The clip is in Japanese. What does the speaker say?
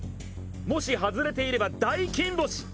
もし外れていれば大金星。